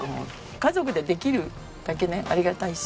家族でできるだけねありがたいし。